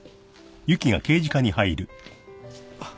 あっ。